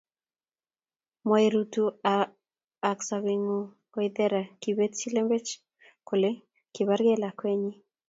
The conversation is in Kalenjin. mwairutu ak sepyoseengung, waithera kipetchi lembech kole kibargee lakwenying